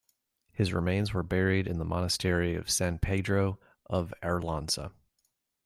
His remains were buried in the monastery of San Pedro of Arlanza.